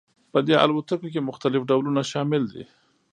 په دې الوتکو کې مختلف ډولونه شامل دي